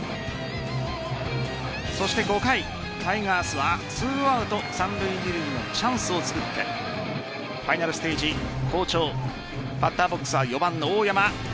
そして５回、タイガースは２アウト三塁・二塁のチャンスを作ってファイナルステージ好調バッターボックスは４番の大山。